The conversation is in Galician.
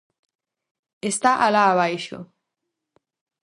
-Está alá abaixo!